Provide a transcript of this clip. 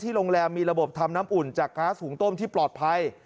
โรงแรมมีระบบทำน้ำอุ่นจากก๊าซหุงต้มที่ปลอดภัย